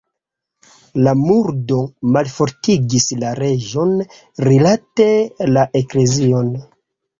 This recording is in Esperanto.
La murdo malfortigis la reĝon rilate la eklezion.